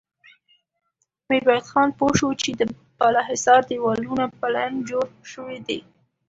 ميرويس خان پوه شو چې د بالا حصار دېوالونه پلن جوړ شوي دي.